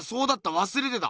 わすれてた。